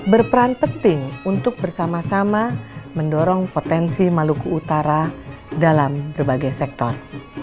berperan penting untuk bersama sama mendorong potensi maluku utara dalam berbagai sektor